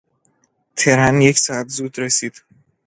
ترن یک ساعت زود رسید.